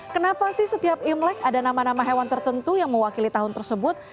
kenapa sih setiap imlek ada nama nama hewan tertentu yang mewakili tahun tersebut